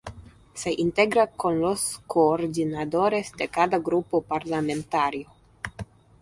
Se integra con los Coordinadores de cada Grupo Parlamentario.